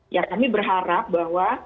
ya kami berharap bahwa